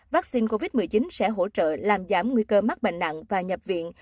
vaccine covid một mươi chín sẽ hỗ trợ làm giảm nguy cơ mắc bệnh nặng và nhập viện